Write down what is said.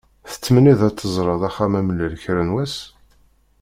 Tettmenniḍ-d ad d-teẓreḍ Axxam-Amellal kra n wass?